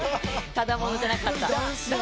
ただ者じゃなかった。